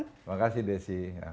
terima kasih desy